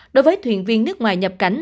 đối với thuyền viên nước ngoài nhập cảnh